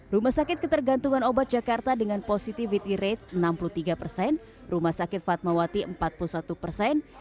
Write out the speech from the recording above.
rumah sakit ketergantungan obat jakarta dengan positivity rate enam puluh tiga persen rumah sakit fatmawati empat puluh satu persen